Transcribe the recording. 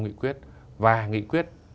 nghị quyết và nghị quyết